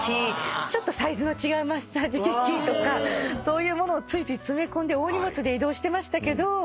ちょっとサイズの違うマッサージ機器とかそういうものをついつい詰め込んで大荷物で移動してましたけど。